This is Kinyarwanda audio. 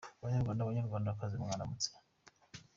banyarwanda banyarwandakazi mwaramutse